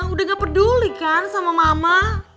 udah gak peduli kan sama mama